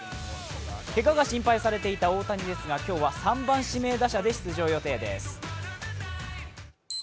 けがが心配されていた大谷ですが今日は３番・指名打者で出場予定です。